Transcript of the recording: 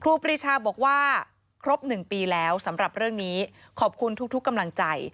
ปรีชาบอกว่าครบ๑ปีแล้วสำหรับเรื่องนี้ขอบคุณทุกกำลังใจ